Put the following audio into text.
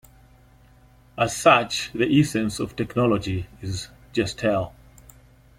As such, the essence of technology is "Gestell".